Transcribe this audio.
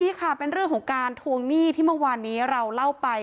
นี่ค่ะเป็นเรื่องของการทวงหนี้ที่เมื่อวานนี้เราเล่าไป